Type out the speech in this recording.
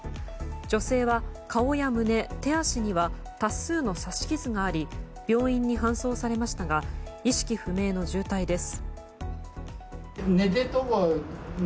女性は顔や胸、手足には多数の刺し傷があり病院に搬送されましたが意識不明の重体です。